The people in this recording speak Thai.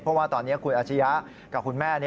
เพราะว่าตอนนี้คุณอาชียะกับคุณแม่